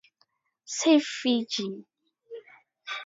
Save Fiji!